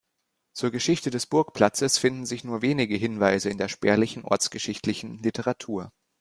Zur Geschichte des Burgplatzes finden sich nur wenige Hinweise in der spärlichen ortsgeschichtlichen Literatur.